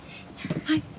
はい。